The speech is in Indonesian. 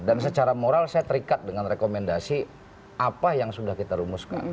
dan secara moral saya terikat dengan rekomendasi apa yang sudah kita rumuskan